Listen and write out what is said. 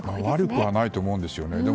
悪くはないと思うんですね。